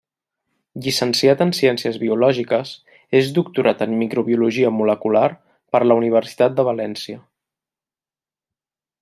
Llicenciat en Ciències Biològiques, és doctorat en microbiologia molecular per la Universitat de València.